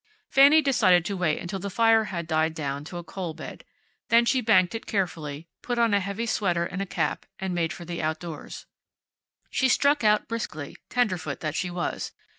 Fanny decided to wait until the fire had died down to a coal bed. Then she banked it carefully, put on a heavy sweater and a cap, and made for the outdoors. She struck out briskly, tenderfoot that she was.